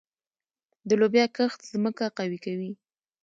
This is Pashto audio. د لوبیا کښت ځمکه قوي کوي.